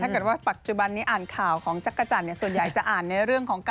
ถ้าเกิดว่าปัจจุบันนี้อ่านข่าวของจักรจันทร์ส่วนใหญ่จะอ่านในเรื่องของการ